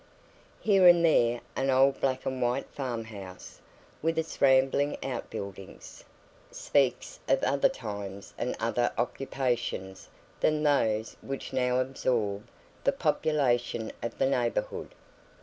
Here and there an old black and white farm house, with its rambling outbuildings, speaks of other times and other occupations than those which now absorb the population of the neighbourhood.